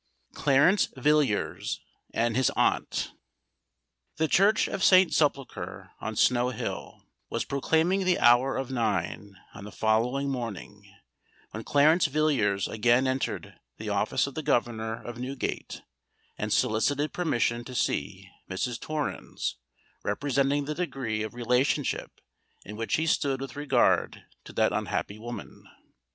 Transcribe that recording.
CLARENCE VILLIERS AND HIS AUNT. The church of Saint Sepulchre on Snow Hill, was proclaiming the hour of nine on the following morning, when Clarence Villiers again entered the office of the governor of Newgate, and solicited permission to see Mrs. Torrens, representing the degree of relationship in which he stood with regard to that unhappy woman.